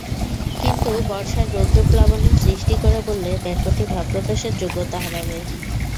কিন্তু বর্ষার রৌদ্র প্লাবনের সৃষ্টি করে বললে বাক্যটি ভাব প্রকাশের যোগ্যতা হারাবে।